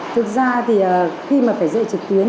thực ra thì khi mà phải dạy trực tuyến